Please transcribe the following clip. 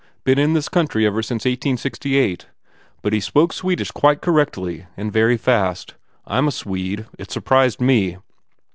Been in this country ever since eighteen sixty eight. But he spoke Swedish quite correctly and very fast. I m a Swede. It surprised me."